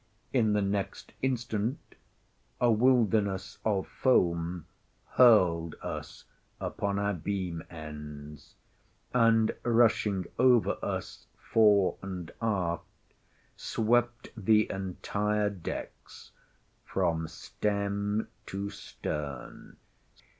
In the next instant, a wilderness of foam hurled us upon our beam ends, and, rushing over us fore and aft, swept the entire decks from stem to stern.